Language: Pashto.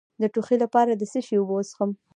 د ټوخي لپاره د څه شي اوبه وڅښم؟